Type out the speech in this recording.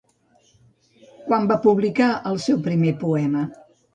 Quan va publicar el seu primer poema?